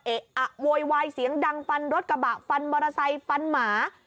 เอ๊ะอะโวยวายเสียงดังฟันรถกระบะฟันบรสัยฟันหมา